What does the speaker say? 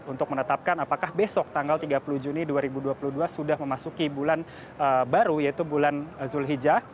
untuk menetapkan apakah besok tanggal tiga puluh juni dua ribu dua puluh dua sudah memasuki bulan baru yaitu bulan zulhijjah